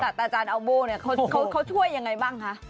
แต่อาจารย์อัลโบ้เนี่ยเขาช่วยยังไงบ้างคะ